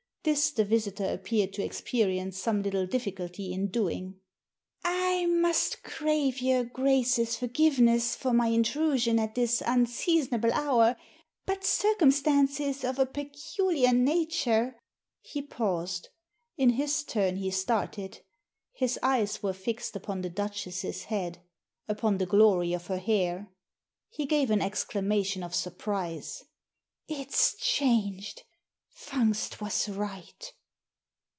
This the visitor appeared to experience some little difficulty in doing. "I must crave your Grace's forgiveness for my intrusion at this unseasonable hour, but circumstances of a peculiar nature " He paused. In his turn he started. His eyes were fixed upon the Duchess's head — upon the glory of her hair. He gave an exclamation of surprise. It's changed! Fungst was right!"